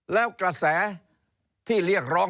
แล้วกระแสที่เรียกร้อง